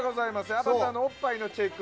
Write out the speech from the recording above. アバターのおっぱいのチェックを。